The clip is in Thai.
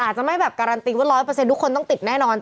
อาจจะไม่แบบการันตีว่า๑๐๐ทุกคนต้องติดแน่นอน